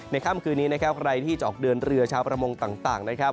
ค่ำคืนนี้นะครับใครที่จะออกเดินเรือชาวประมงต่างนะครับ